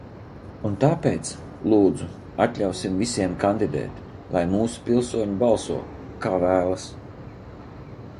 Un tāpēc, lūdzu, atļausim visiem kandidēt, lai mūsu pilsoņi balso, kā vēlas.